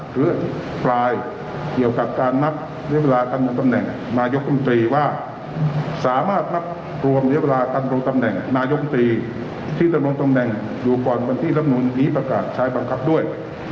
หรือปลายเกี่ยวกับการนับเรียบร้อยการลงตำแหน่งนายกลุ่มตรีว่าสามารถนับรวมเรียบร้อยการลงตำแหน่งนายกลุ่มตรีที่จะลงตำแหน่งอยู่ก่อนวันที่ลำหนุนมีประกาศใช้บังคับด้วย